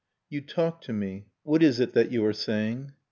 You talk to me — what is it that you are saying?